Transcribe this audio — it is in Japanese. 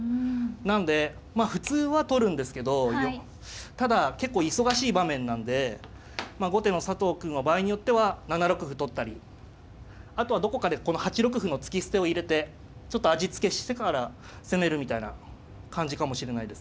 なので普通は取るんですけどただ結構忙しい場面なんで後手の佐藤くんは場合によっては７六歩取ったりあとはどこかでこの８六歩の突き捨てを入れてちょっと味付けしてから攻めるみたいな感じかもしれないですね。